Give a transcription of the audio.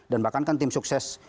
dan bahkan kan tim sukses